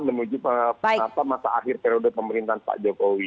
dan menuju masa akhir periode pemerintahan pak jokowi